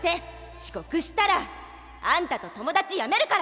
ちこくしたらあんたと友達やめるから。